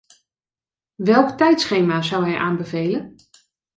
Welk tijdschema zou hij aanbevelen?